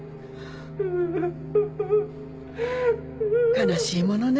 悲しいものね。